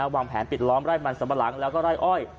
วางแผนปิดล้อมไร่มันสัมปะหลังแล้วก็ไร่อ้อย